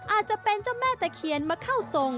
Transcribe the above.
อาจจะเป็นเจ้าแม่ตะเคียนมาเข้าทรง